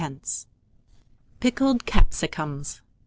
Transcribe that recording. PICKLED CAPSICUMS.